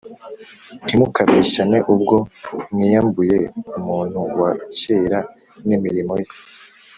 Ntimukabeshyane ubwo mwiyambuye umuntu wa kera n’imirimo ye